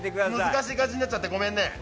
難しい感じになっちゃってごめんね。